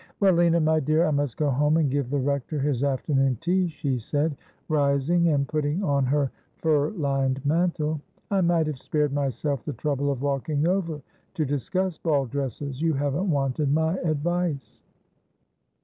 ' Well, Lina, my dear, I must go home and give the Rector his afternoon tea.' she said, rising and putting on her fur lined mantle. ' I might have spared myself the trouble of walking over to discuss the ball dresses. You haven't wanted my ad vice.'